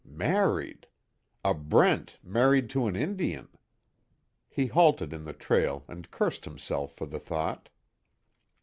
Married! A Brent married to an Indian!" He halted in the trail and cursed himself for the thought.